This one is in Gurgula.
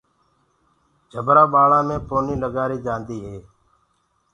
جبرآ ٻآݪآنٚ مي پونيٚ ڀليٚ لگديٚ هي۔